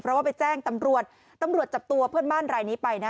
เพราะว่าไปแจ้งตำรวจตำรวจจับตัวเพื่อนบ้านรายนี้ไปนะ